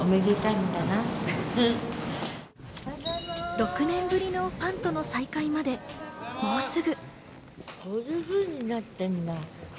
６年ぶりのファンとの再会まで、もうすぐ。